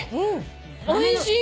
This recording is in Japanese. おいしい！